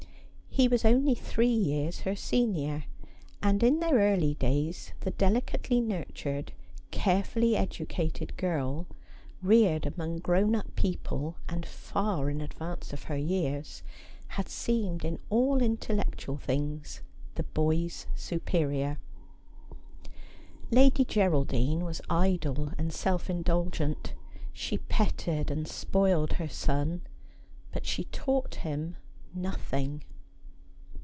He was only three years her senior, and in their early youth the delicately nurtured, carefully educated girl, reared among grown up people, and far in advance of her years, had seemed in all intellectual things the boy's superior. Lady Geraldine was idle and self indulgent ; she petted and spoiled her son, but she taught him nothing.